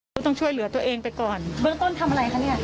ก็ต้องช่วยเหลือตัวเองไปก่อนเบื้องต้นทำอะไรคะเนี่ย